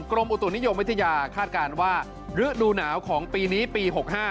กรมอุตุนิยมวิทยาคาดการณ์ว่าฤดูหนาวของปีนี้ปี๖๕